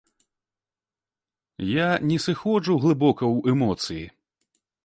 Я не сыходжу глыбока ў эмоцыі.